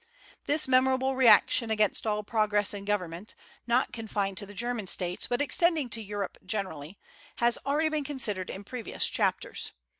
This memorable reaction against all progress in government, not confined to the German States but extending to Europe generally, has already been considered in previous chapters.